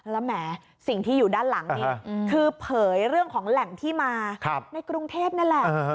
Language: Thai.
แล้วแหมสิ่งที่อยู่ด้านหลังนี้คือเผยเรื่องของแหล่งที่มาในกรุงเทพนั่นแหละ